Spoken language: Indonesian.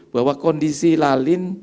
bahwa kondisi lalin